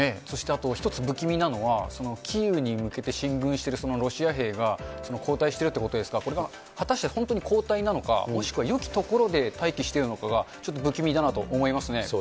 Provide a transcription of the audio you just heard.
そしてあと、一つ、不気味なのは、キーウに向けて進軍しているロシア兵が、後退してるっていうことですが、これが果たして本当に後退なのか、もしくはよきところで待機しているのかが、ちょっと不気味だなと思いますね。